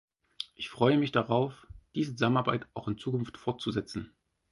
Ich freue mich darauf, diese Zusammenarbeit auch in Zukunft fortzusetzen.